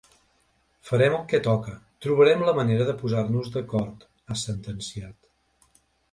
Farem el que toca, trobarem la manera de posar-nos d’acord, ha sentenciat.